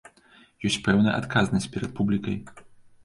Ёсць пэўная адказнасць перад публікай.